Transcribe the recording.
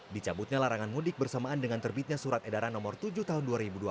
dicabutnya larangan mudik bersamaan dengan terbitnya surat edaran nomor tujuh tahun dua ribu dua puluh